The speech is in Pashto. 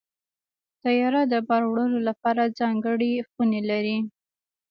طیاره د بار وړلو لپاره ځانګړې خونې لري.